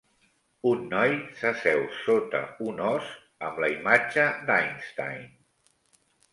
Un noi s'asseu sota un ós amb la imatge d'Einstein.